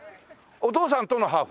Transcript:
お父さんとのハーフ？